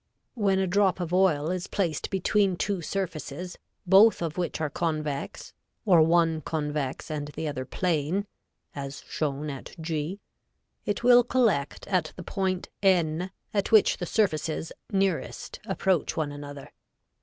When a drop of oil is placed between two surfaces, both of which are convex, or one convex and the other plain, as shown at g, it will collect at the point n, at which the surfaces nearest approach one another.